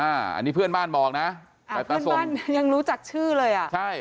อันนี้เพื่อนบ้านบอกนะแต่เพื่อนบ้านยังรู้จักชื่อเลยอ่ะใช่